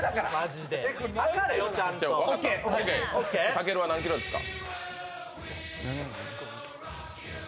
たけるは何キロですか。